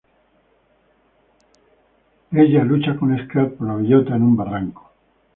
Ella lucha con Scrat por la bellota, en un barranco.